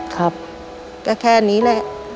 ก็แค่นี้แหละ